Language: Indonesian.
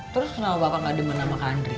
terus kenapa bapak ga demen sama kak andri